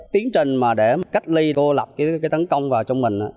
tiến trình mà để cách ly cô lập cái tấn công vào trong mình á